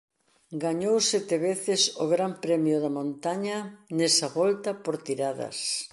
Gañou sete veces o Gran Premio da Montaña nesa volta por tiradas.